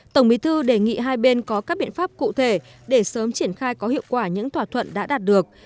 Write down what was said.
tổng bí thư đề nghị hai bên có các biện pháp cụ thể để sớm triển khai có hiệu quả những thỏa thuận đã đạt được